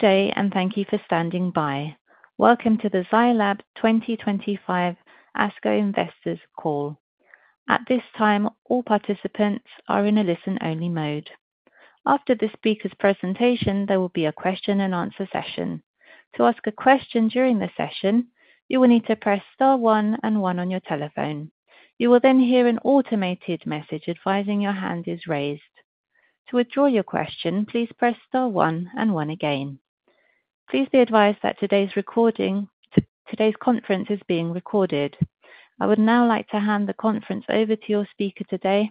Good day, and thank you for standing by. Welcome to the Zai Lab 2025 ASCO Investors Call. At this time, all participants are in a listen-only mode. After the speaker's presentation, there will be a question-and-answer session. To ask a question during the session, you will need to press star one and one on your telephone. You will then hear an automated message advising your hand is raised. To withdraw your question, please press star one and one again. Please be advised that today's conference is being recorded. I would now like to hand the conference over to your speaker today,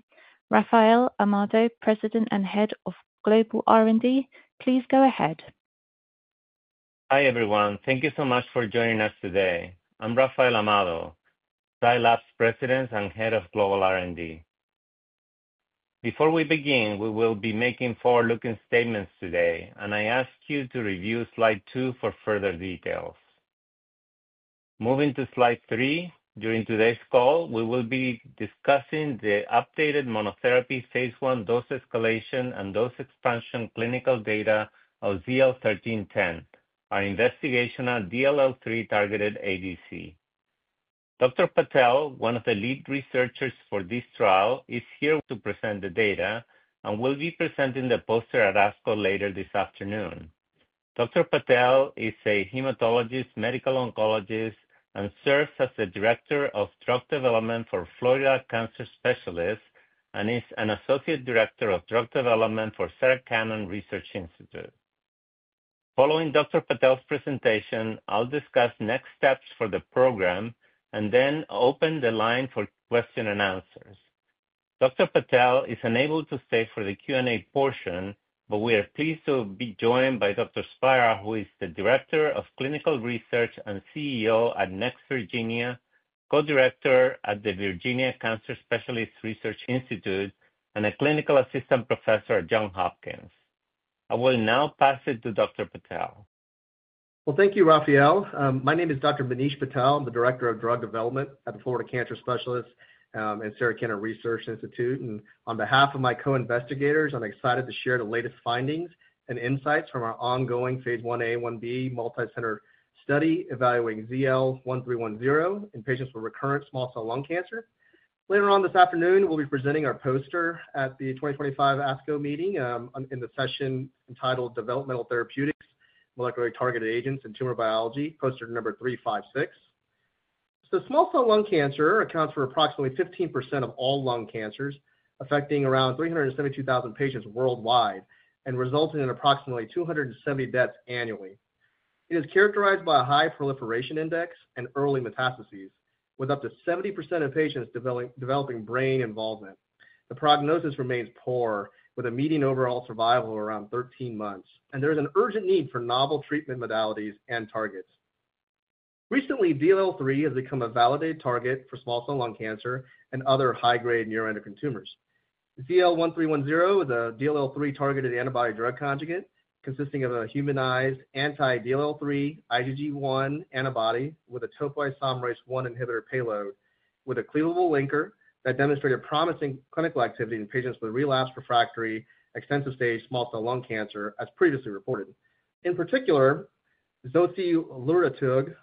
Rafael Amado, President and Head of Global R&D. Please go ahead. Hi everyone, thank you so much for joining us today. I'm Rafael Amado, Zai Lab's President and Head of Global R&D. Before we begin, we will be making forward-looking statements today, and I ask you to review slide two for further details. Moving to slide three, during today's call, we will be discussing the updated monotherapy phase one dose escalation and dose expansion clinical data of ZL1310, our investigational DLL3 targeted ADC. Dr. Patel, one of the lead researchers for this trial, is here to present the data, and we'll be presenting the poster at ASCO later this afternoon. Dr. Patel is a hematologist, medical oncologist, and serves as the Director of Drug Development for Florida Cancer Specialists and is an Associate Director of Drug Development for Sarah Cannon Research Institute. Following Dr. Patel's presentation, I'll discuss next steps for the program and then open the line for questions and answers. Dr. Patel is unable to stay for the Q&A portion, but we are pleased to be joined by Dr. Spira, who is the Director of Clinical Research and CEO at Next Virginia, Co-Director at the Virginia Cancer Specialists Research Institute, and a Clinical Assistant Professor at Johns Hopkins. I will now pass it to Dr. Patel. Thank you, Rafael. My name is Dr. Manish Patel. I'm the Director of Drug Development at the Florida Cancer Specialists and Sarah Cannon Research Institute. On behalf of my co-investigators, I'm excited to share the latest findings and insights from our ongoing phase I A1B multicenter study evaluating ZL1310 in patients with recurrent small cell lung cancer. Later on this afternoon, we'll be presenting our poster at the 2025 ASCO meeting in the session entitled Developmental Therapeutics, Molecularly Targeted Agents in Tumor Biology, poster number 356. Small cell lung cancer accounts for approximately 15% of all lung cancers, affecting around 372,000 patients worldwide and resulting in approximately 270,000 deaths annually. It is characterized by a high proliferation index and early metastases, with up to 70% of patients developing brain involvement. The prognosis remains poor, with a median overall survival of around 13 months, and there is an urgent need for novel treatment modalities and targets. Recently, DLL3 has become a validated target for small cell lung cancer and other high-grade neuroendocrine tumors. ZL1310 is a DLL3 targeted antibody-drug conjugate consisting of a humanized anti-DLL3 IgG1 antibody with a topoisomerase I inhibitor payload, with a cleavable linker that demonstrated promising clinical activity in patients with relapsed refractory extensive-stage small cell lung cancer, as previously reported. In particular, zocilurtatug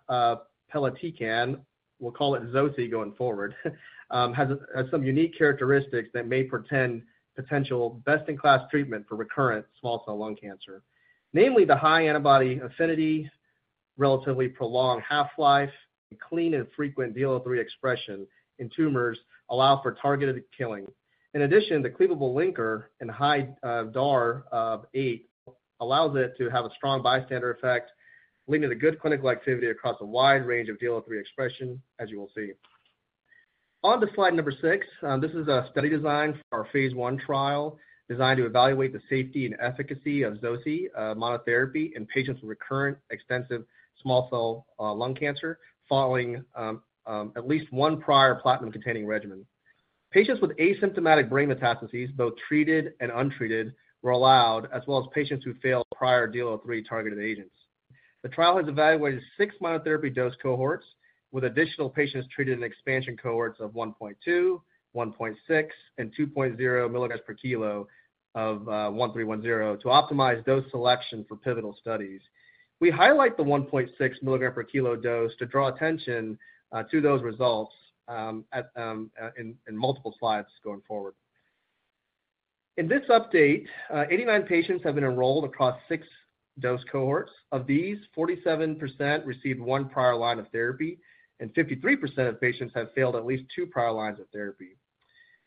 pelitecan—we'll call it zoci going forward—has some unique characteristics that may portend potential best-in-class treatment for recurrent small cell lung cancer. Namely, the high antibody affinity, relatively prolonged half-life, and clean and frequent DLL3 expression in tumors allow for targeted killing. In addition, the cleavable linker and high DAR of eight allows it to have a strong bystander effect, leading to good clinical activity across a wide range of DLL3 expression, as you will see. Onto slide number six. This is a study designed for our phase one trial, designed to evaluate the safety and efficacy of ZL1310 monotherapy in patients with recurrent extensive-stage small cell lung cancer following at least one prior platinum-containing regimen. Patients with asymptomatic brain metastases, both treated and untreated, were allowed, as well as patients who failed prior DLL3 targeted agents. The trial has evaluated six monotherapy dose cohorts with additional patients treated in expansion cohorts of 1.2, 1.6, and 2.0 mg per kg of ZL1310 to optimize dose selection for pivotal studies. We highlight the 1.6 mg per kg dose to draw attention to those results in multiple slides going forward. In this update, 89 patients have been enrolled across six dose cohorts. Of these, 47% received one prior line of therapy, and 53% of patients have failed at least two prior lines of therapy.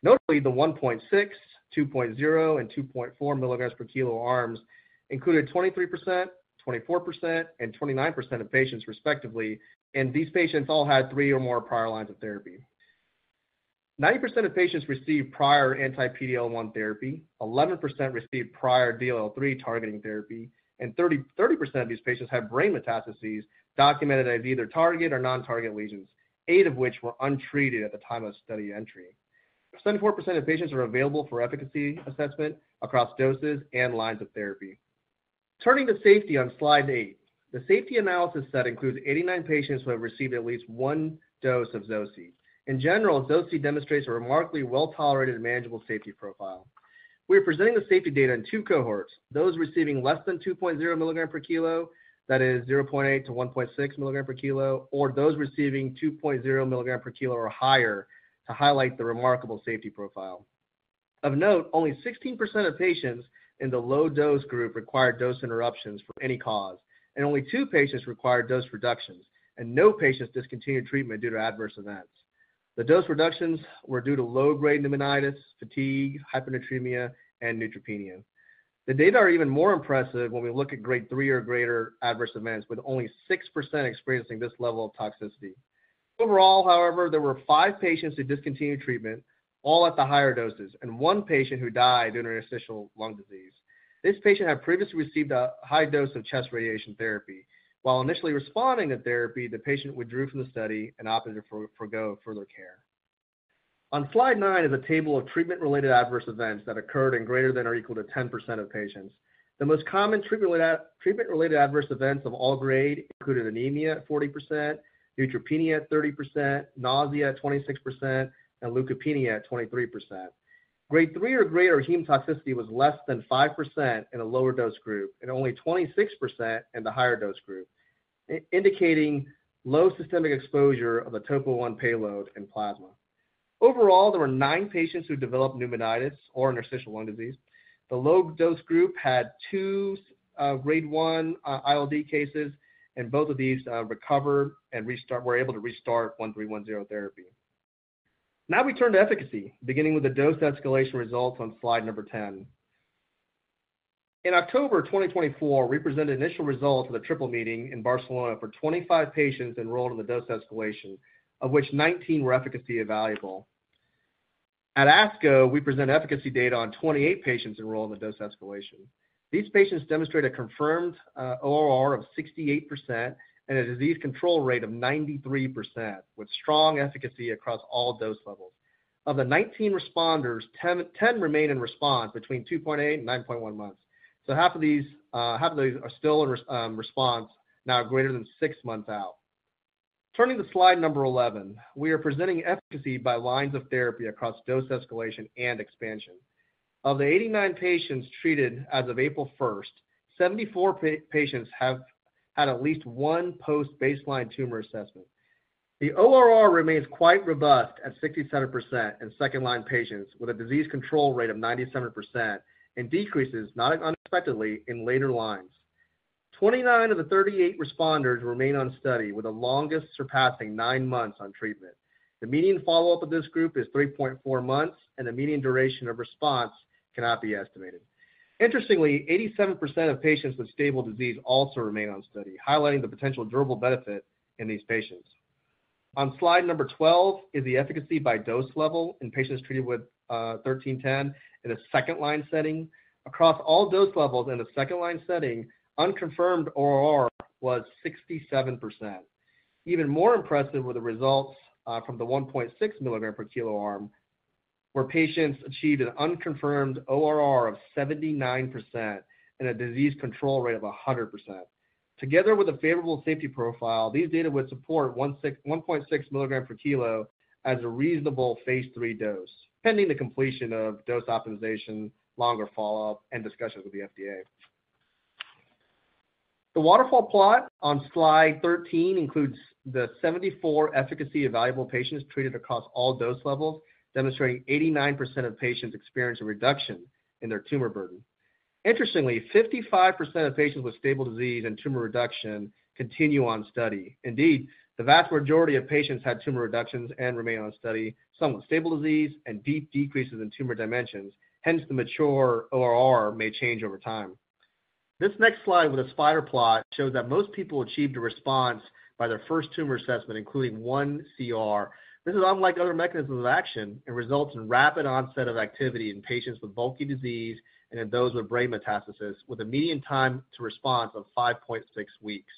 Notably, the 1.6, 2.0, and 2.4 milligrams per kilo arms included 23%, 24%, and 29% of patients respectively, and these patients all had three or more prior lines of therapy. 90% of patients received prior anti-PD-(L)1 therapy, 11% received prior DLL3 targeting therapy, and 30% of these patients had brain metastases documented as either target or non-target lesions, eight of which were untreated at the time of study entry. 74% of patients were available for efficacy assessment across doses and lines of therapy. Turning to safety on slide eight, the safety analysis set includes 89 patients who have received at least one dose of ZL1310. In general, ZL1310 demonstrates a remarkably well-tolerated and manageable safety profile. We are presenting the safety data in two cohorts: those receiving less than 2.0 milligrams per kilo, that is 0.8-1.6 milligrams per kilo, or those receiving 2.0 milligrams per kilo or higher, to highlight the remarkable safety profile. Of note, only 16% of patients in the low-dose group required dose interruptions for any cause, and only two patients required dose reductions, and no patients discontinued treatment due to adverse events. The dose reductions were due to low-grade pneumonitis, fatigue, hyponatremia, and neutropenia. The data are even more impressive when we look at grade three or greater adverse events, with only 6% experiencing this level of toxicity. Overall, however, there were five patients who discontinued treatment, all at the higher doses, and one patient who died due to interstitial lung disease. This patient had previously received a high dose of chest radiation therapy. While initially responding to therapy, the patient withdrew from the study and opted to forgo further care. On slide nine is a table of treatment-related adverse events that occurred in greater than or equal to 10% of patients. The most common treatment-related adverse events of all grade included anemia at 40%, neutropenia at 30%, nausea at 26%, and leukopenia at 23%. Grade three or greater heme toxicity was less than 5% in a lower dose group, and only 26% in the higher dose group, indicating low systemic exposure of the topo-1 payload and plasma. Overall, there were nine patients who developed pneumonitis or interstitial lung disease. The low-dose group had two grade one ILD cases, and both of these recovered and were able to restart 1310 therapy. Now we turn to efficacy, beginning with the dose escalation results on slide number 10. In October 2024, we presented initial results of the triple meeting in Barcelona for 25 patients enrolled in the dose escalation, of which 19 were efficacy evaluable. At ASCO, we presented efficacy data on 28 patients enrolled in the dose escalation. These patients demonstrate a confirmed ORR of 68% and a disease control rate of 93%, with strong efficacy across all dose levels. Of the 19 responders, 10 remain in response between 2.8 and 9.1 months. Half of these are still in response, now greater than six months out. Turning to slide number 11, we are presenting efficacy by lines of therapy across dose escalation and expansion. Of the 89 patients treated as of April 1, 74 patients have had at least one post-baseline tumor assessment. The ORR remains quite robust at 67% in second-line patients, with a disease control rate of 97%, and decreases not unexpectedly in later lines. Twenty-nine of the 38 responders remain on study, with the longest surpassing nine months on treatment. The median follow-up of this group is 3.4 months, and the median duration of response cannot be estimated. Interestingly, 87% of patients with stable disease also remain on study, highlighting the potential durable benefit in these patients. On slide number 12 is the efficacy by dose level in patients treated with 1310 in a second-line setting. Across all dose levels in the second-line setting, unconfirmed ORR was 67%. Even more impressive were the results from the 1.6 milligram per kilo arm, where patients achieved an unconfirmed ORR of 79% and a disease control rate of 100%. Together with a favorable safety profile, these data would support 1.6 milligram per kilo as a reasonable phase three dose, pending the completion of dose optimization, longer follow-up, and discussions with the FDA. The waterfall plot on slide 13 includes the 74 efficacy evaluable patients treated across all dose levels, demonstrating 89% of patients experienced a reduction in their tumor burden. Interestingly, 55% of patients with stable disease and tumor reduction continue on study. Indeed, the vast majority of patients had tumor reductions and remain on study, some with stable disease and deep decreases in tumor dimensions. Hence, the mature ORR may change over time. This next slide with a spider plot shows that most people achieved a response by their first tumor assessment, including one CR. This is unlike other mechanisms of action and results in rapid onset of activity in patients with bulky disease and in those with brain metastases, with a median time to response of 5.6 weeks.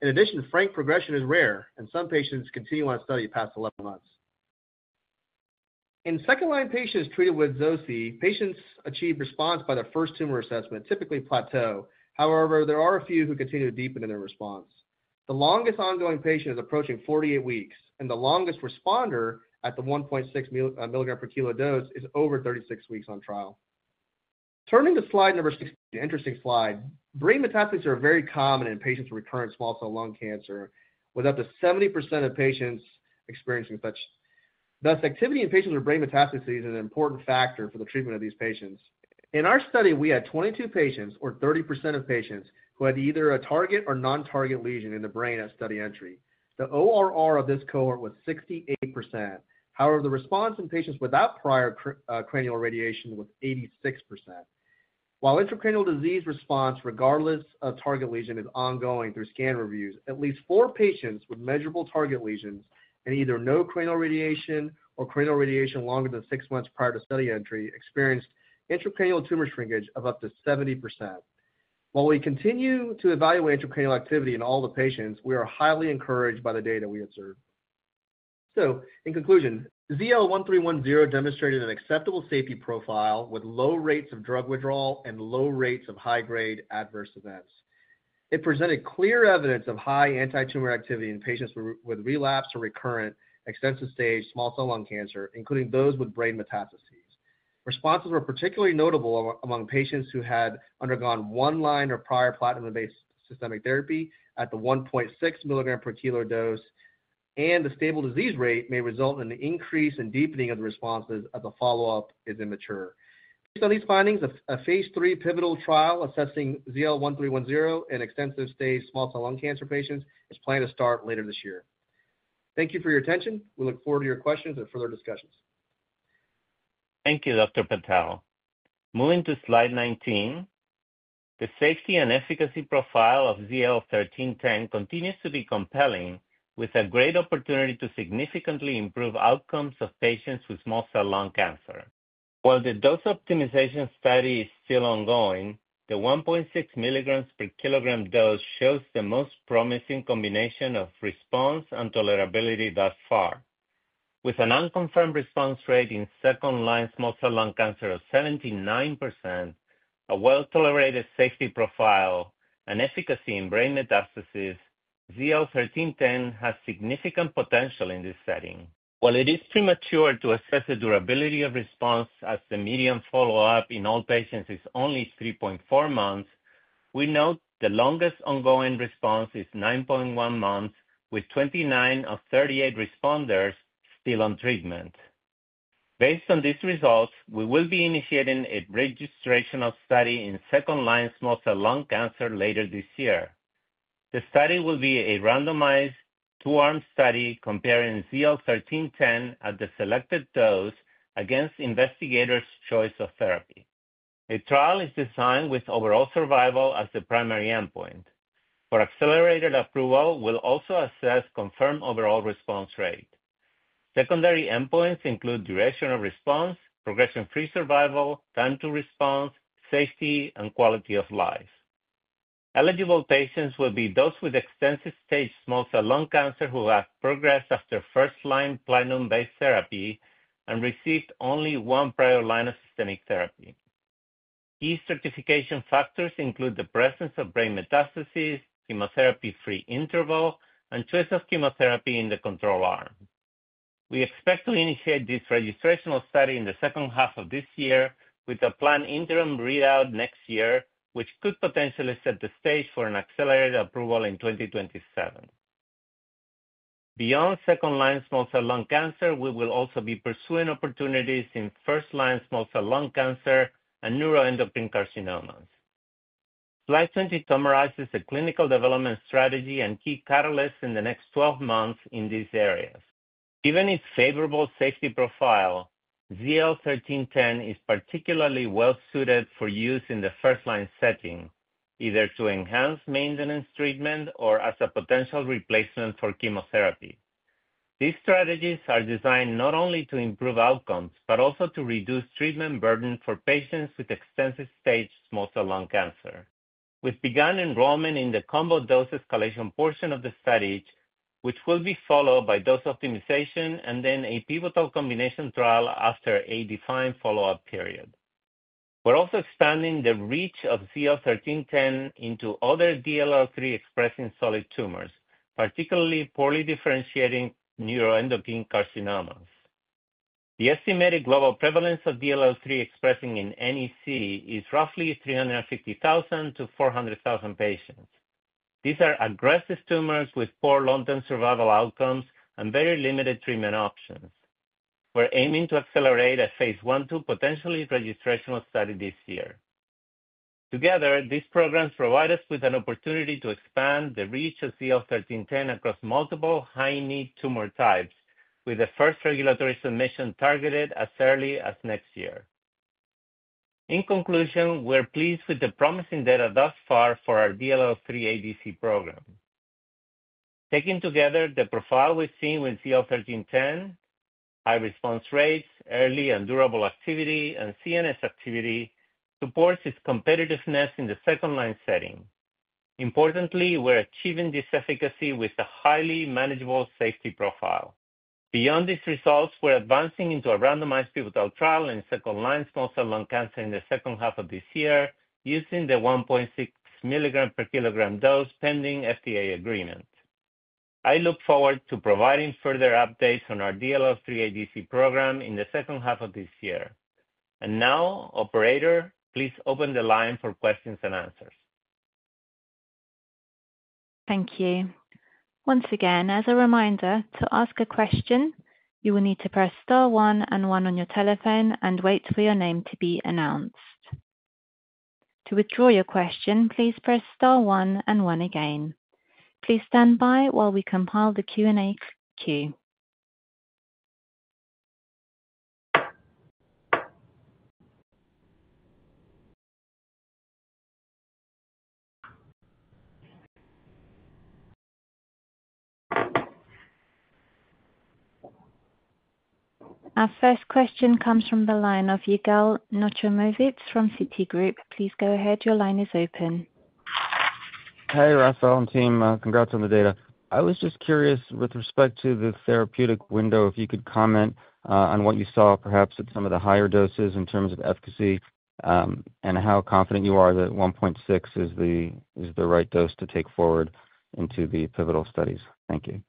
In addition, frank progression is rare, and some patients continue on study past 11 months. In second-line patients treated with ZL1310, patients achieve response by their first tumor assessment, typically plateau. However, there are a few who continue to deepen in their response. The longest ongoing patient is approaching 48 weeks, and the longest responder at the 1.6 milligram per kilo dose is over 36 weeks on trial. Turning to slide number 16, an interesting slide, brain metastases are very common in patients with recurrent small cell lung cancer, with up to 70% of patients experiencing such. Thus, activity in patients with brain metastases is an important factor for the treatment of these patients. In our study, we had 22 patients, or 30% of patients, who had either a target or non-target lesion in the brain at study entry. The ORR of this cohort was 68%. However, the response in patients without prior cranial radiation was 86%. While intracranial disease response, regardless of target lesion, is ongoing through scan reviews, at least four patients with measurable target lesions and either no cranial radiation or cranial radiation longer than six months prior to study entry experienced intracranial tumor shrinkage of up to 70%. While we continue to evaluate intracranial activity in all the patients, we are highly encouraged by the data we observe. In conclusion, ZL1310 demonstrated an acceptable safety profile with low rates of drug withdrawal and low rates of high-grade adverse events. It presented clear evidence of high anti-tumor activity in patients with relapsed or recurrent extensive-stage small cell lung cancer, including those with brain metastases. Responses were particularly notable among patients who had undergone one line or prior platinum-based systemic therapy at the 1.6 milligram per kilo dose, and the stable disease rate may result in an increase in deepening of the responses as the follow-up is immature. Based on these findings, a phase three pivotal trial assessing ZL1310 in extensive-stage small cell lung cancer patients is planned to start later this year. Thank you for your attention. We look forward to your questions and further discussions. Thank you, Dr. Patel. Moving to slide 19, the safety and efficacy profile of ZL1310 continues to be compelling, with a great opportunity to significantly improve outcomes of patients with small cell lung cancer. While the dose optimization study is still ongoing, the 1.6 milligrams per kilogram dose shows the most promising combination of response and tolerability thus far. With an unconfirmed response rate in second-line small cell lung cancer of 79%, a well-tolerated safety profile, and efficacy in brain metastases, ZL1310 has significant potential in this setting. While it is premature to assess the durability of response as the median follow-up in all patients is only 3.4 months, we note the longest ongoing response is 9.1 months, with 29 of 38 responders still on treatment. Based on these results, we will be initiating a registration study in second-line small cell lung cancer later this year. The study will be a randomized two-arm study comparing ZL1310 at the selected dose against investigators' choice of therapy. A trial is designed with overall survival as the primary endpoint. For accelerated approval, we'll also assess confirmed overall response rate. Secondary endpoints include duration of response, progression-free survival, time to response, safety, and quality of life. Eligible patients will be those with extensive-stage small cell lung cancer who have progressed after first-line platinum-based therapy and received only one prior line of systemic therapy. Key stratification factors include the presence of brain metastases, chemotherapy-free interval, and choice of chemotherapy in the control arm. We expect to initiate this registration study in the second half of this year, with a planned interim readout next year, which could potentially set the stage for an accelerated approval in 2027. Beyond second-line small cell lung cancer, we will also be pursuing opportunities in first-line small cell lung cancer and neuroendocrine carcinomas. Slide 20 summarizes the clinical development strategy and key catalysts in the next 12 months in these areas. Given its favorable safety profile, ZL1310 is particularly well-suited for use in the first-line setting, either to enhance maintenance treatment or as a potential replacement for chemotherapy. These strategies are designed not only to improve outcomes, but also to reduce treatment burden for patients with extensive-stage small cell lung cancer. We've begun enrollment in the combo dose escalation portion of the studies, which will be followed by dose optimization and then a pivotal combination trial after a defined follow-up period. We're also expanding the reach of ZL1310 into other DLL3-expressing solid tumors, particularly poorly differentiating neuroendocrine carcinomas. The estimated global prevalence of DLL3 expressing in NEC is roughly 350,000-400,000 patients. These are aggressive tumors with poor long-term survival outcomes and very limited treatment options. We're aiming to accelerate a phase one to potentially registration of study this year. Together, these programs provide us with an opportunity to expand the reach of ZL1310 across multiple high-need tumor types, with the first regulatory submission targeted as early as next year. In conclusion, we're pleased with the promising data thus far for our DLL3 ADC program. Taking together the profile we've seen with ZL1310, high response rates, early and durable activity, and CNS activity, supports its competitiveness in the second-line setting. Importantly, we're achieving this efficacy with a highly manageable safety profile. Beyond these results, we're advancing into a randomized pivotal trial in second-line small cell lung cancer in the second half of this year, using the 1.6 milligram per kilogram dose pending FDA agreement. I look forward to providing further updates on our DLL3 ADC program in the second half of this year. Now, operator, please open the line for questions and answers. Thank you. Once again, as a reminder, to ask a question, you will need to press star one and one on your telephone and wait for your name to be announced. To withdraw your question, please press star one and one again. Please stand by while we compile the Q&A queue. Our first question comes from the line of Yigal Nochomovitz from Citigroup. Please go ahead. Your line is open. Hey, Rafael and team. Congrats on the data. I was just curious with respect to the therapeutic window, if you could comment on what you saw, perhaps at some of the higher doses in terms of efficacy and how confident you are that 1.6 is the right dose to take forward into the pivotal studies. Thank you.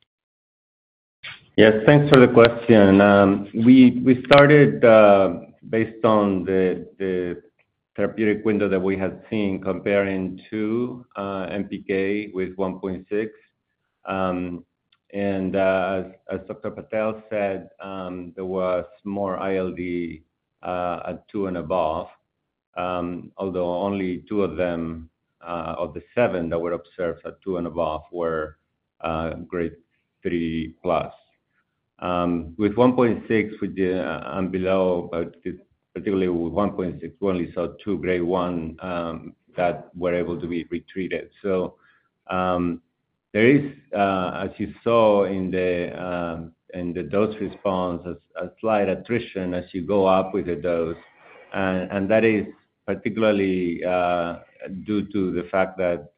Yes, thanks for the question. We started based on the therapeutic window that we had seen comparing to mg/kg with 1.6. As Dr. Patel said, there was more ILD at 2 and above, although only two of them of the seven that were observed at 2 and above were grade 3 plus. With 1.6 and below, particularly with 1.6, we only saw two grade 1 that were able to be retreated. There is, as you saw in the dose response, a slight attrition as you go up with the dose. That is particularly due to the fact that,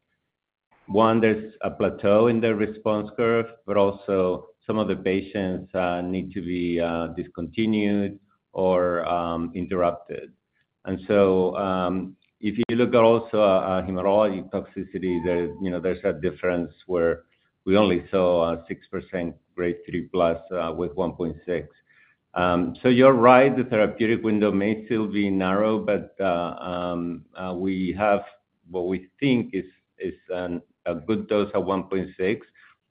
one, there is a plateau in the response curve, but also some of the patients need to be discontinued or interrupted. If you look at also a hematology toxicity, there is a difference where we only saw a 6% grade 3 plus with 1.6. You're right, the therapeutic window may still be narrow, but we have what we think is a good dose at 1.6.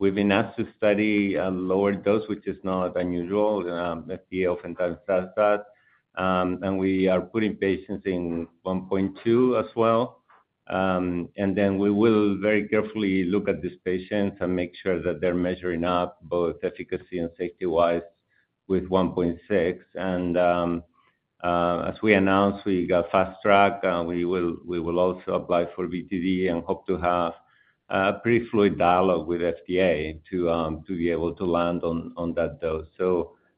We've been asked to study a lower dose, which is not unusual. FDA oftentimes does that. We are putting patients in 1.2 as well. We will very carefully look at these patients and make sure that they're measuring up both efficacy and safety-wise with 1.6. As we announced, we got fast track. We will also apply for VTD and hope to have a pretty fluid dialogue with FDA to be able to land on that dose.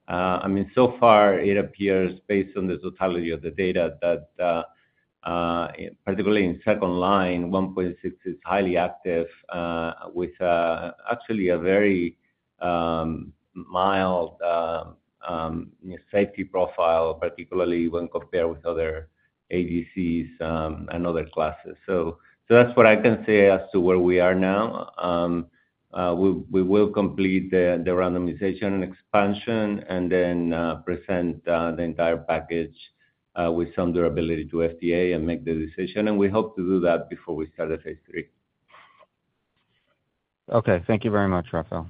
I mean, so far, it appears, based on the totality of the data, that particularly in second line, 1.6 is highly active with actually a very mild safety profile, particularly when compared with other ADCs and other classes. That's what I can say as to where we are now. We will complete the randomization and expansion and then present the entire package with some durability to FDA and make the decision. We hope to do that before we start the phase three. Okay. Thank you very much, Rafael.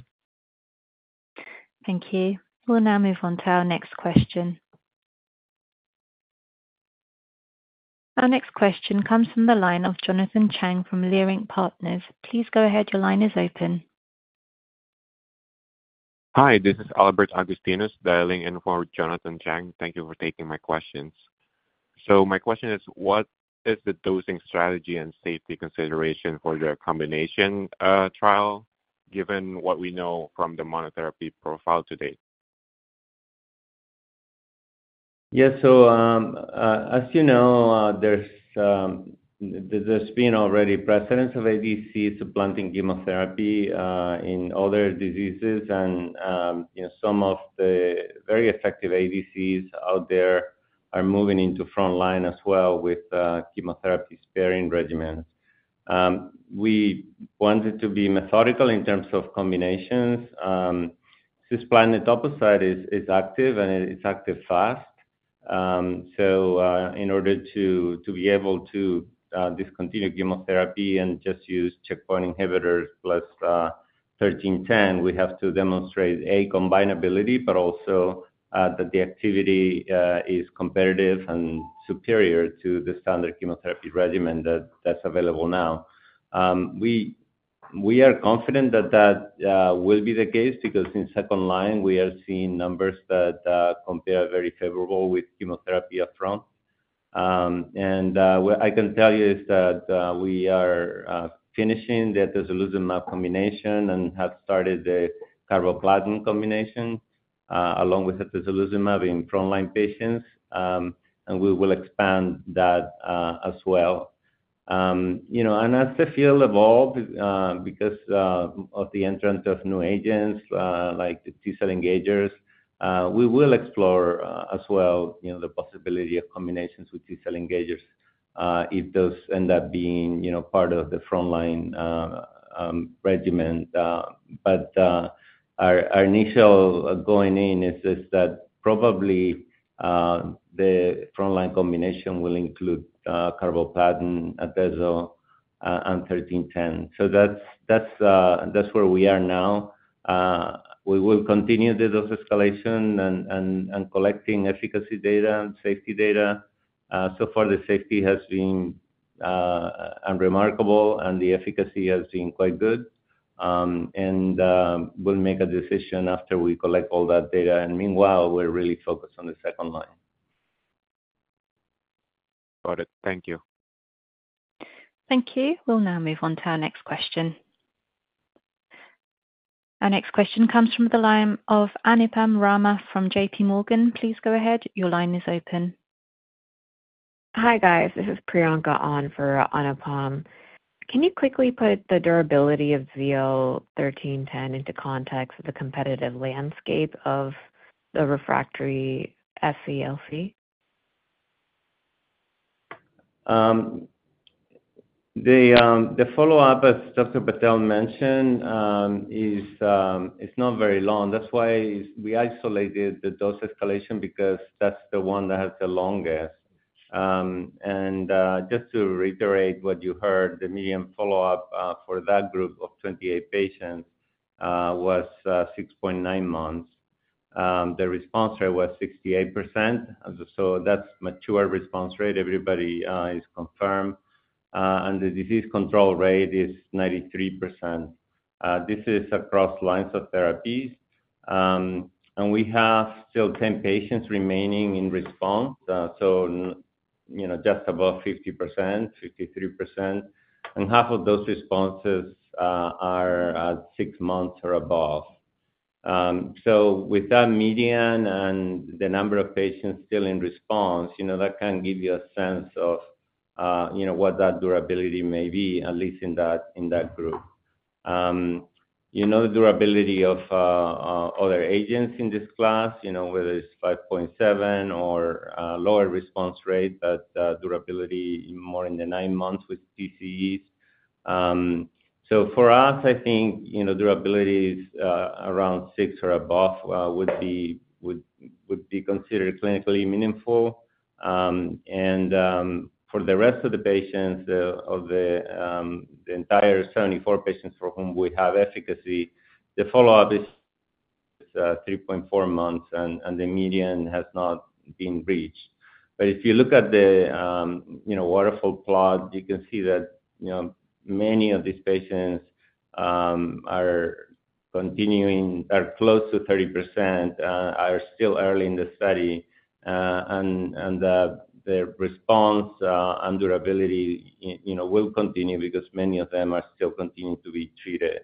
Thank you. We'll now move on to our next question. Our next question comes from the line of Jonathan Chang from Leerink Partners. Please go ahead. Your line is open. Hi, this is Albert Agustinus dialing in for Jonathan Chang. Thank you for taking my questions. My question is, what is the dosing strategy and safety consideration for the combination trial given what we know from the monotherapy profile to date? Yes. As you know, there's been already precedence of ADC supplanting chemotherapy in other diseases. Some of the very effective ADCs out there are moving into front line as well with chemotherapy sparing regimens. We wanted to be methodical in terms of combinations. Cisplatin etoposide is active, and it's active fast. In order to be able to discontinue chemotherapy and just use checkpoint inhibitors plus 1310, we have to demonstrate, A, combinability, but also that the activity is competitive and superior to the standard chemotherapy regimen that's available now. We are confident that that will be the case because in second line, we are seeing numbers that compare very favorably with chemotherapy upfront. What I can tell you is that we are finishing the atezolizumab combination and have started the carboplatin combination along with atezolizumab in front line patients. We will expand that as well. As the field evolves because of the entrance of new agents like T-cell engagers, we will explore as well the possibility of combinations with T-cell engagers if those end up being part of the front line regimen. Our initial going in is that probably the front line combination will include carboplatin, etezol, and 1310. That is where we are now. We will continue the dose escalation and collecting efficacy data and safety data. So far, the safety has been unremarkable, and the efficacy has been quite good. We will make a decision after we collect all that data. Meanwhile, we are really focused on the second line. Got it. Thank you. Thank you. We'll now move on to our next question. Our next question comes from the line of Anupam Rama from JPMorgan. Please go ahead. Your line is open. Hi, guys. This is Priyanka on for Anupam. Can you quickly put the durability of ZL1310 into context of the competitive landscape of the refractory SCLC? The follow-up, as Dr. Patel mentioned, is not very long. That's why we isolated the dose escalation because that's the one that has the longest. And just to reiterate what you heard, the median follow-up for that group of 28 patients was 6.9 months. The response rate was 68%. So that's mature response rate. Everybody is confirmed. The disease control rate is 93%. This is across lines of therapies. We have still 10 patients remaining in response, so just above 50%, 53%. Half of those responses are at six months or above. With that median and the number of patients still in response, that can give you a sense of what that durability may be, at least in that group. You know the durability of other agents in this class, whether it's 5.7 or lower response rate, but durability more in the nine months with TCEs. For us, I think durability is around six or above would be considered clinically meaningful. For the rest of the patients, of the entire 74 patients for whom we have efficacy, the follow-up is 3.4 months, and the median has not been reached. If you look at the waterfall plot, you can see that many of these patients, close to 30%, are still early in the study. Their response and durability will continue because many of them are still continuing to be treated.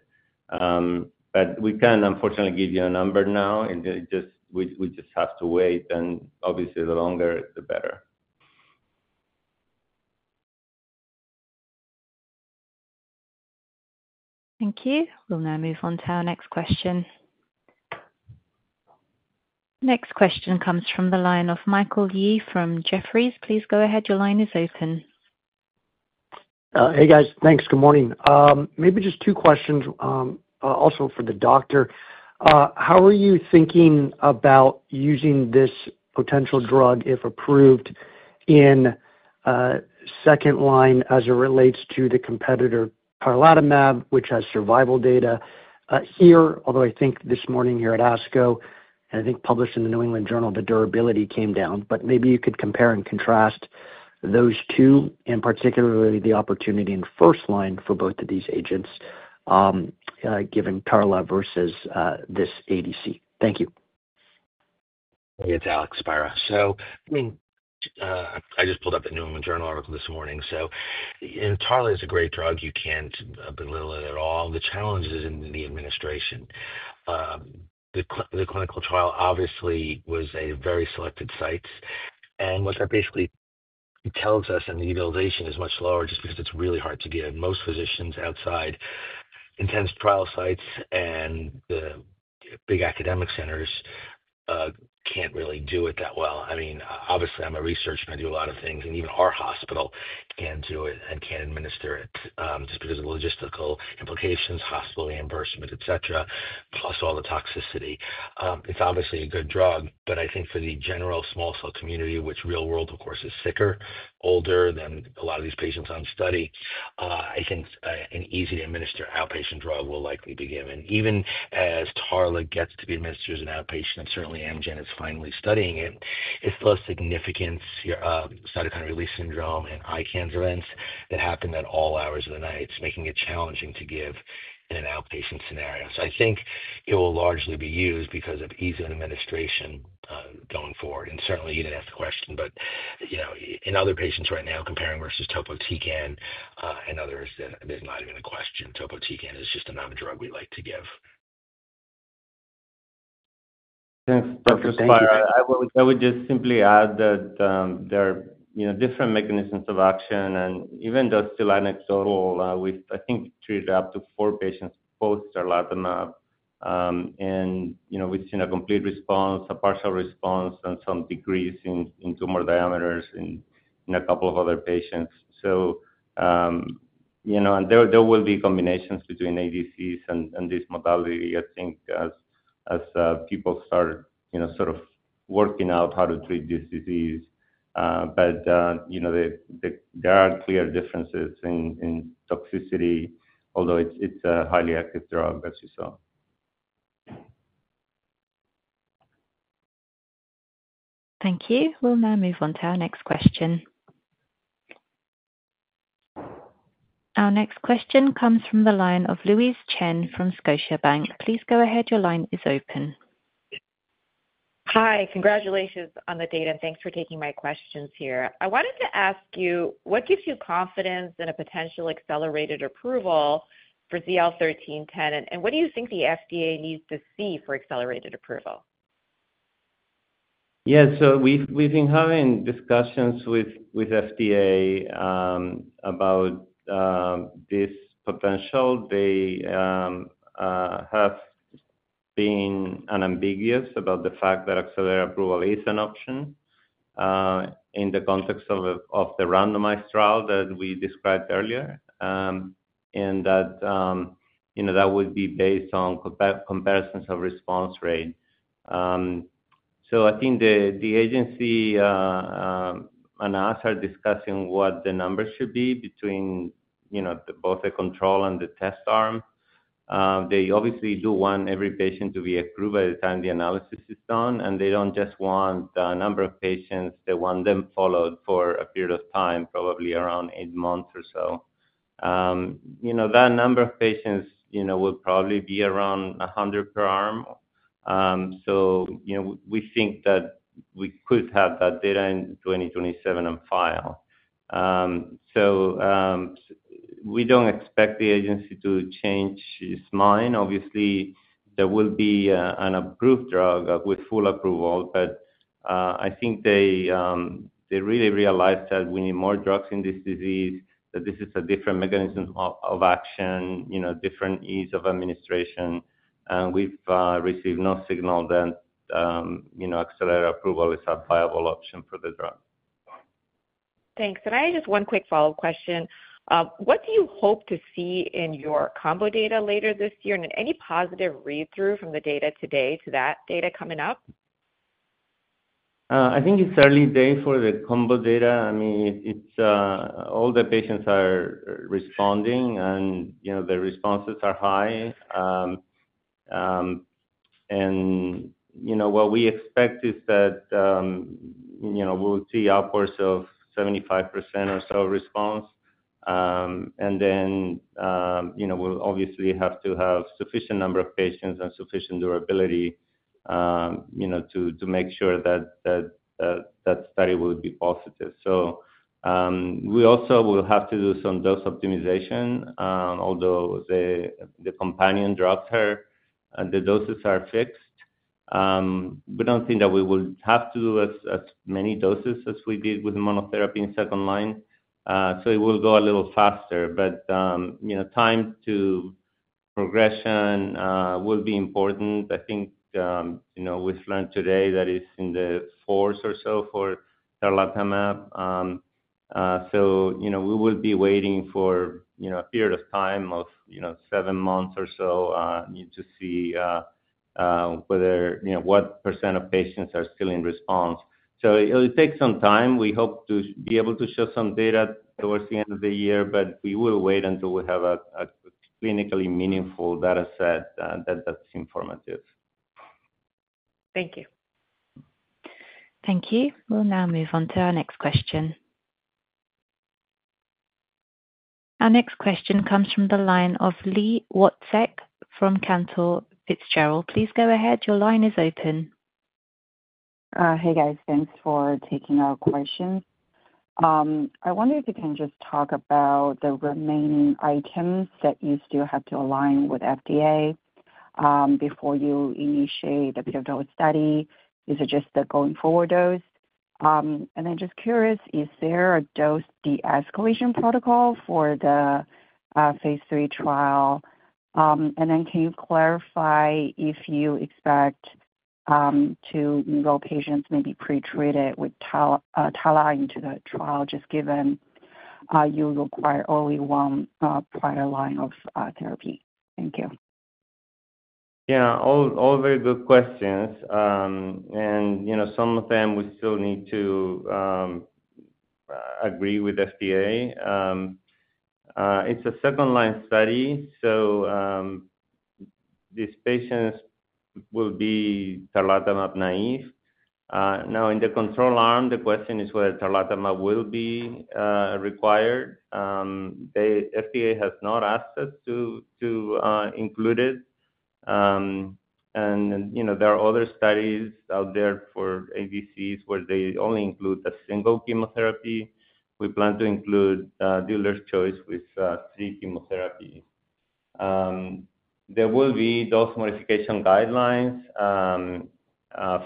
We cannot unfortunately give you a number now. We just have to wait. Obviously, the longer, the better. Thank you. We'll now move on to our next question. Next question comes from the line of Michael Yee from Jefferies. Please go ahead. Your line is open. Hey, guys. Thanks. Good morning. Maybe just two questions also for the doctor. How are you thinking about using this potential drug, if approved, in second line as it relates to the competitor tarlatamab, which has survival data here? Although I think this morning here at ASCO, and I think published in the New England Journal, the durability came down. Maybe you could compare and contrast those two, and particularly the opportunity in first line for both of these agents given tarla versus this ADC. Thank you. Hey, it's Alex Spira. I just pulled up the New England Journal article this morning. Tarla is a great drug. You can't belittle it at all. The challenge is in the administration. The clinical trial obviously was a very selected site. What that basically tells us, and the utilization is much lower just because it's really hard to get. Most physicians outside intense trial sites and the big academic centers can't really do it that well. I mean, obviously, I'm a researcher. I do a lot of things. Even our hospital can't do it and can't administer it just because of logistical implications, hospital reimbursement, etc., plus all the toxicity. It's obviously a good drug. I think for the general small cell community, which real world, of course, is sicker, older than a lot of these patients on study, I think an easy-to-administer outpatient drug will likely be given. Even as tarlatamab gets to be administered as an outpatient, and certainly Amgen is finally studying it, its less significant cytokine release syndrome and eye cancer events that happen at all hours of the night make it challenging to give in an outpatient scenario. I think it will largely be used because of ease of administration going forward. Certainly, you did not ask the question. In other patients right now, comparing versus topotecan and others, there is not even a question. Topotecan is just another drug we would like to give. Thanks, Dr. Spira. I would just simply add that there are different mechanisms of action. Even though it's still anecdotal, we've, I think, treated up to four patients post-tarlatamab. We've seen a complete response, a partial response, and some decrease in tumor diameters in a couple of other patients. There will be combinations between ADCs and this modality, I think, as people start sort of working out how to treat this disease. There are clear differences in toxicity, although it's a highly active drug, as you saw. Thank you. We'll now move on to our next question. Our next question comes from the line of Louise Chen from Scotiabank. Please go ahead. Your line is open. Hi. Congratulations on the data. Thanks for taking my questions here. I wanted to ask you, what gives you confidence in a potential accelerated approval for ZL1310? What do you think the FDA needs to see for accelerated approval? Yeah. So we've been having discussions with FDA about this potential. They have been unambiguous about the fact that accelerated approval is an option in the context of the randomized trial that we described earlier. That would be based on comparisons of response rate. I think the agency and us are discussing what the numbers should be between both the control and the test arm. They obviously do want every patient to be approved by the time the analysis is done. They do not just want the number of patients. They want them followed for a period of time, probably around eight months or so. That number of patients would probably be around 100 per arm. We think that we could have that data in 2027 on file. We do not expect the agency to change its mind. Obviously, there will be an approved drug with full approval. I think they really realize that we need more drugs in this disease, that this is a different mechanism of action, different ease of administration. We have received no signal that accelerated approval is a viable option for the drug. Thanks. I have just one quick follow-up question. What do you hope to see in your combo data later this year? Any positive read-through from the data today to that data coming up? I think it's early day for the combo data. I mean, all the patients are responding, and their responses are high. What we expect is that we'll see upwards of 75% or so response. We'll obviously have to have a sufficient number of patients and sufficient durability to make sure that that study will be positive. We also will have to do some dose optimization. Although the companion drugs are, the doses are fixed, we don't think that we will have to do as many doses as we did with monotherapy in second line. It will go a little faster. Time to progression will be important. I think we've learned today that it's in the fourth or so for tarlatamab. We will be waiting for a period of time of seven months or so to see what percent of patients are still in response. It will take some time. We hope to be able to show some data towards the end of the year. We will wait until we have a clinically meaningful dataset that's informative. Thank you. Thank you. We'll now move on to our next question. Our next question comes from the line of Li Watsek from Cantor Fitzgerald. Please go ahead. Your line is open. Hey, guys. Thanks for taking our questions. I wonder if you can just talk about the remaining items that you still have to align with FDA before you initiate a pivotal study. Is it just the going-forward dose? I'm just curious, is there a dose de-escalation protocol for the phase three trial? Can you clarify if you expect to enroll patients maybe pretreated with tarlatamab into the trial just given you require only one prior line of therapy? Thank you. Yeah. All very good questions. Some of them we still need to agree with FDA. It is a second-line study. These patients will be tarlatamab naive. In the control arm, the question is whether tarlatamab will be required. FDA has not asked us to include it. There are other studies out there for ADCs where they only include a single chemotherapy. We plan to include dealer's choice with three chemotherapies. There will be dose modification guidelines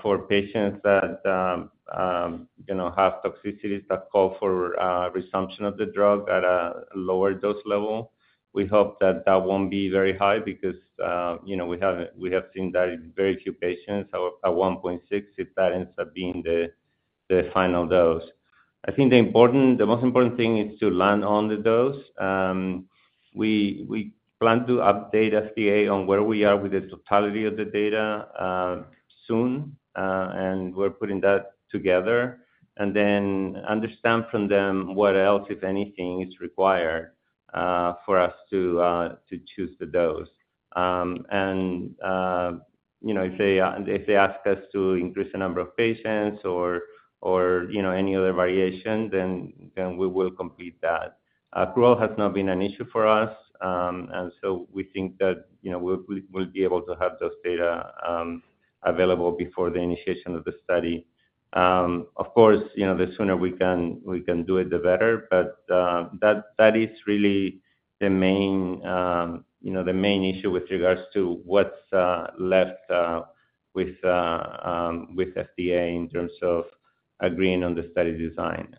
for patients that have toxicities that call for resumption of the drug at a lower dose level. We hope that that will not be very high because we have seen that in very few patients at 1.6 if that ends up being the final dose. I think the most important thing is to land on the dose. We plan to update FDA on where we are with the totality of the data soon. We are putting that together. We want to understand from them what else, if anything, is required for us to choose the dose. If they ask us to increase the number of patients or any other variation, we will complete that. Accrual has not been an issue for us. We think that we will be able to have those data available before the initiation of the study. Of course, the sooner we can do it, the better. That is really the main issue with regards to what is left with FDA in terms of agreeing on the study design.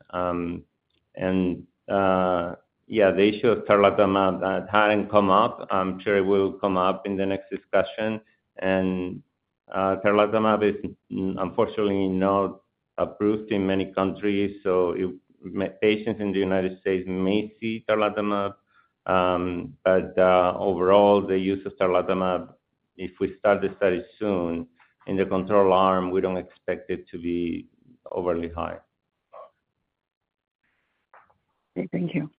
The issue of tarlatamab had not come up. I am sure it will come up in the next discussion. tarlatamab is unfortunately not approved in many countries. Patients in the United States may see tarlatamab. Overall, the use of tarlatamab, if we start the study soon in the control arm, we don't expect it to be overly high. Okay. Thank you.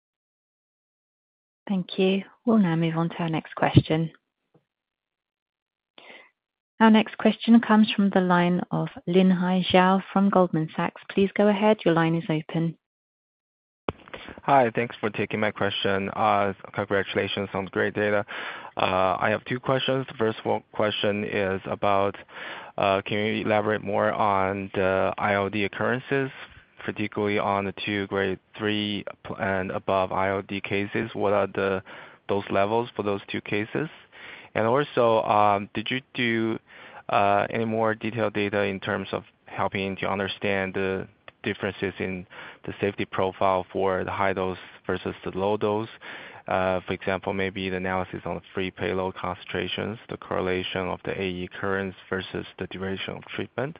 Thank you. We'll now move on to our next question. Our next question comes from the line of Linhai Zhao from Goldman Sachs. Please go ahead. Your line is open. Hi. Thanks for taking my question. Congratulations. Sounds great data. I have two questions. The first question is about, can you elaborate more on the ILD occurrences, particularly on the two grade three and above ILD cases? What are those levels for those two cases? Also, did you do any more detailed data in terms of helping to understand the differences in the safety profile for the high dose versus the low dose? For example, maybe the analysis on the free payload concentrations, the correlation of the AE currents versus the duration of treatment.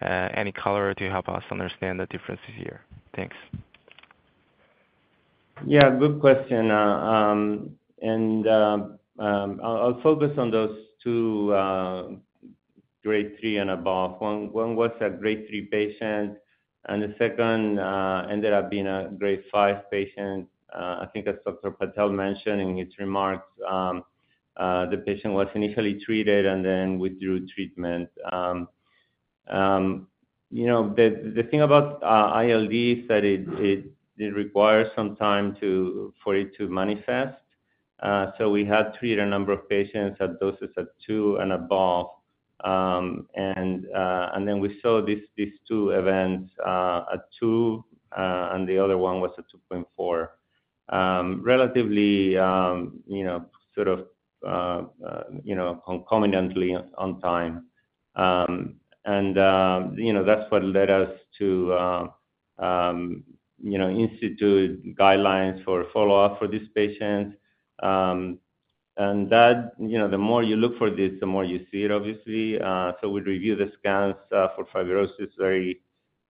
Any color to help us understand the differences here? Thanks. Yeah. Good question. I'll focus on those two grade three and above. One was a grade three patient. The second ended up being a grade five patient. I think as Dr. Patel mentioned in his remarks, the patient was initially treated and then withdrew treatment. The thing about ILD is that it requires some time for it to manifest. We had treated a number of patients at doses at two and above. We saw these two events at two, and the other one was at 2.4, relatively sort of concomitantly on time. That is what led us to institute guidelines for follow-up for these patients. The more you look for this, the more you see it, obviously. We reviewed the scans for fibrosis very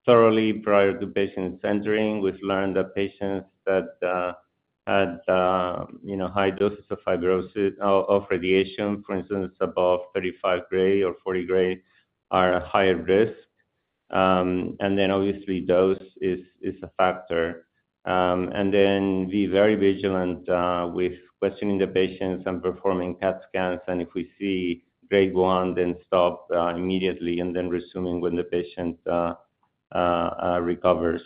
thoroughly prior to patients entering. We've learned that patients that had high doses of radiation, for instance, above 35 gray or 40 gray, are at higher risk. Dose is a factor. Be very vigilant with questioning the patients and performing PET scans. If we see grade one, then stop immediately and then resume when the patient recovers.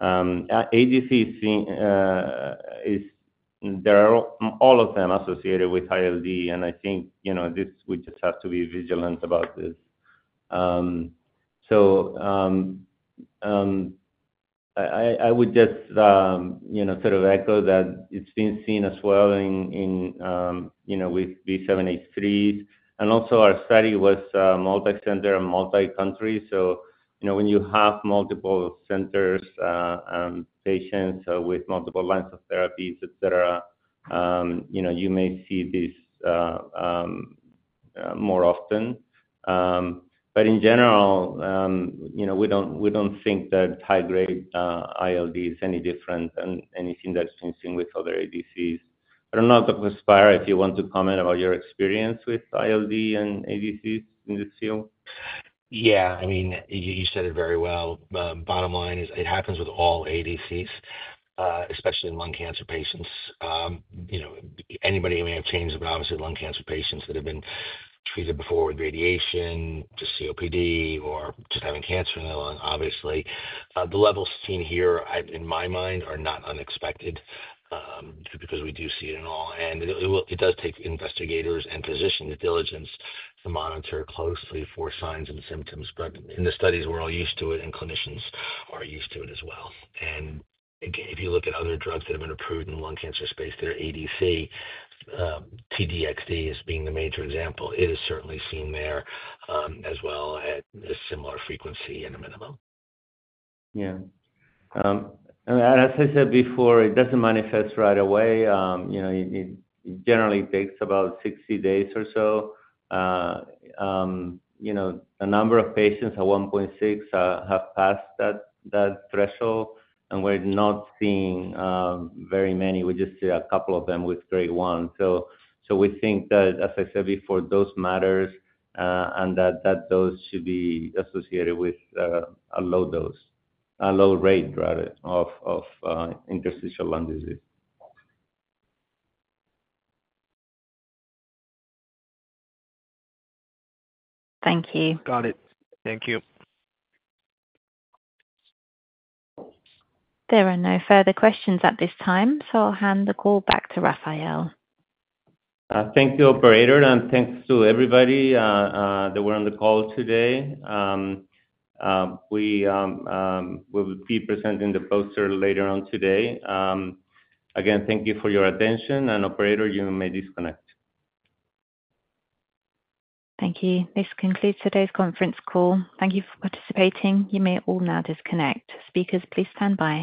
ADCs, there are all of them associated with ILD. I think we just have to be vigilant about this. I would just sort of echo that it's been seen as well with B7-H3s. Also, our study was multi-center and multi-country. When you have multiple centers and patients with multiple lines of therapies, etc., you may see this more often. In general, we don't think that high-grade ILD is any different than anything that's been seen with other ADCs. I don't know, Dr. Spira, if you want to comment about your experience with ILD and ADCs in this field. Yeah. I mean, you said it very well. Bottom line is it happens with all ADCs, especially in lung cancer patients. Anybody may have changed, but obviously, lung cancer patients that have been treated before with radiation, just COPD, or just having cancer in their lung, obviously, the levels seen here, in my mind, are not unexpected because we do see it in all. It does take investigators and physicians' diligence to monitor closely for signs and symptoms. In the studies, we're all used to it, and clinicians are used to it as well. If you look at other drugs that have been approved in the lung cancer space, there are ADC, T-DXd as being the major example. It is certainly seen there as well at a similar frequency and a minimum. Yeah. As I said before, it doesn't manifest right away. It generally takes about 60 days or so. A number of patients at 1.6 have passed that threshold. We're not seeing very many. We just see a couple of them with grade one. We think that, as I said before, dose matters and that that dose should be associated with a low rate of interstitial lung disease. Thank you. Got it. Thank you. There are no further questions at this time. So I'll hand the call back to Rafael. Thank you, Operator. Thank you to everybody that were on the call today. We will be presenting the poster later on today. Thank you for your attention. Operator, you may disconnect. Thank you. This concludes today's conference call. Thank you for participating. You may all now disconnect. Speakers, please stand by.